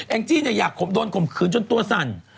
งจี้เนี่ยอยากโดนข่มขืนจนตัวสั่น